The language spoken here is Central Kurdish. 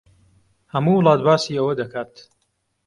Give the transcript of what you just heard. ھەموو وڵات باسی ئەوە دەکات.